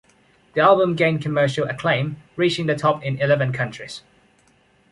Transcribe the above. The album gained commercial acclaim, reaching the top in eleven countries.